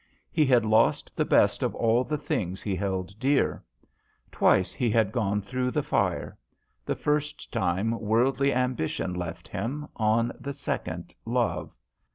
He had lost the best of all the things he held dear. Twice he had gone through the fire. The first time worldly ambition left him, on the second love.